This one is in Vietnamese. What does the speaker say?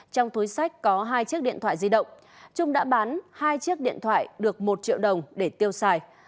trong túi sách có hai chiếc điện thoại di động trung đã bán hai chiếc điện thoại được một triệu đồng để tiêu xài